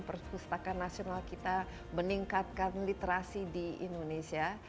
perpustakaan nasional kita meningkatkan literasi di indonesia